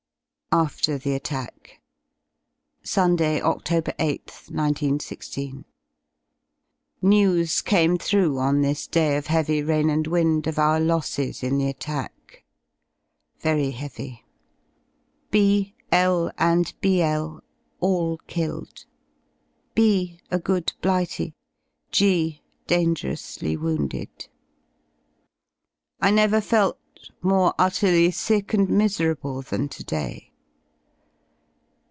AFTER THE ATTACK Sunday, Oct. 8th, 19 16. News came through on this day of heavy rain and wind of our losses in the attack. Very heavy. B , L , and Bl , all killed; B , a good blighty; G , dangerously wounded. I never felt more utterly sick and miserable than to day.